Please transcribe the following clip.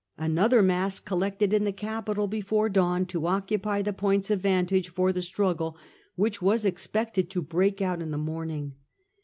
Another mass collected in the Capitol before dawn, to occupy the points of vantage for the struggle which was expected to break out in the morning.